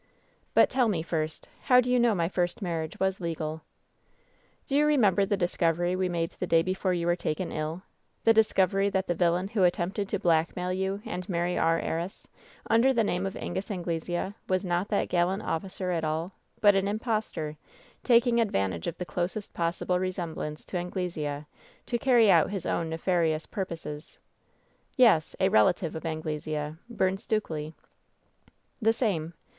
"But tell me, first, how do you know my first mar riage was legal ?" "Do you remember the discovery we made the day be fore you were taken ill ?— the discovery that the villain who attempted to blackmail you and marry our heiress, under the name of Angus Anglesea, was not that gallant officer at all, but an impostor, taking advantage of the closest possible resemblance to Anglesea to carry out his o^vn nefarious purposes ?" "Yes ; a relative of Anglesea — ^Byme Stukely." "The same.